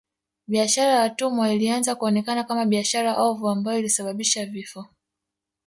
Biashara ya watumwa ilianza kuonekana kama biashara ovu ambayo ilisababisha vifo